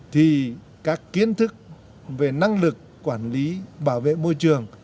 thì các kiến thức về năng lực quản lý bảo vệ môi trường